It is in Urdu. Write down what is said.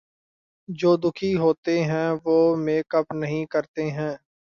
جو دکھی ھوتے ہیں وہ میک اپ نہیں کرتے ہیں